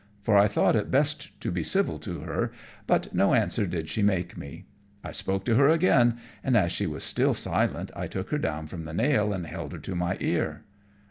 for I thought it best to be civil to her, but no answer did she make me. I spoke to her again, and as she was still silent I took her down from the nail and held her to my ear.